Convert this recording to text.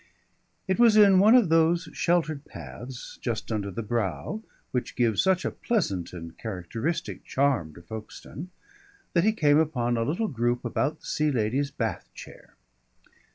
It was in one of those sheltered paths just under the brow which give such a pleasant and characteristic charm to Folkestone, that he came upon a little group about the Sea Lady's bath chair.